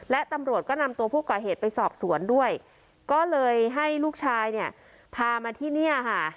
และตำรวจก็นำตัวผู้ก่อเหตุไปสอบสวนด้วยก็เลยให้ลูกชายเนี่ยพามาที่เนี่ยค่ะ